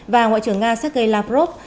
và ngoại trưởng nga sergei lavrov